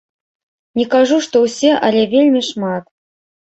Не кажу, што ўсе, але вельмі шмат.